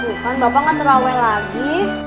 bukan bapak gak terawai lagi